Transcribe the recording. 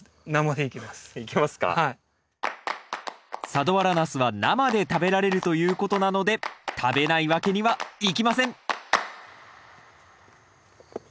佐土原ナスは生で食べられるということなので食べないわけにはいきません！